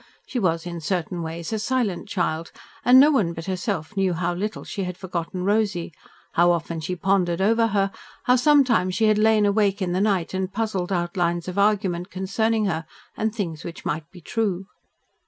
She was in certain ways a silent child, and no one but herself knew how little she had forgotten Rosy, how often she pondered over her, how sometimes she had lain awake in the night and puzzled out lines of argument concerning her and things which might be true.